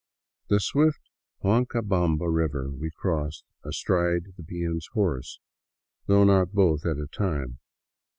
The swift Huancabamba river we crossed astride the peon's horse, though not both at a time.